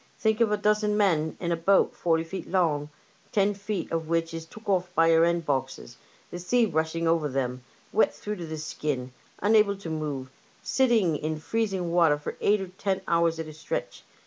Think of a dozen men in a boat forty feet long, ten foot of which is took oflf by her end boxes, the sea rushing over them, wet through to the skin, unable to move, sitting in freezing water for eight or ten hours at a stretch.